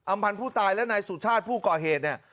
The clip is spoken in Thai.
พันธ์ผู้ตายและนายสุชาติผู้ก่อเหตุเนี่ย